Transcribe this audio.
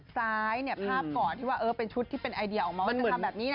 ซ้ายเนี่ยภาพก่อนที่ว่าเป็นชุดที่เป็นไอเดียออกมาว่าจะทำแบบนี้นะ